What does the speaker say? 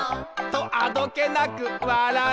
「とあどけなく笑う」